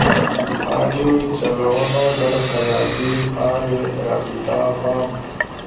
آڈیو چلؤنو در خرابی آلی، رابطہ فارم